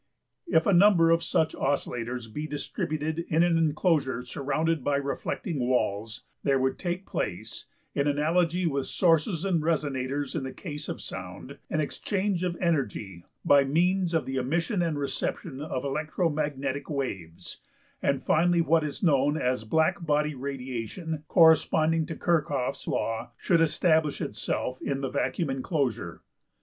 If a number of such oscillators be distributed in an enclosure surrounded by reflecting walls, there would take place, in analogy with sources and resonators in the case of sound, an exchange of energy by means of the emission and reception of electro magnetic waves, and finally what is known as black body radiation corresponding to Kirchhoff's law should establish itself in the vacuum enclosure.